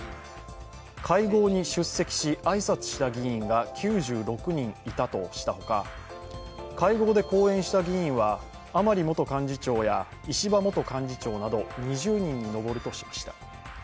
会合に出席し挨拶した議員が９６人いたとしたほか会合で講演した議員は甘利元幹事長や石破元幹事長など２０人に上るとしました。